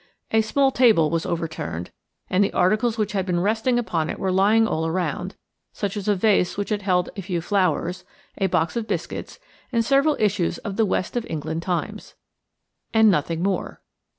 A small table was overturned, and the articles which had been resting upon it were lying all around–such as a vase which had held a few flowers, a box of biscuits, and several issues of the West of England Times. And nothing more.